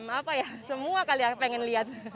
apa ya semua kali aku pengen lihat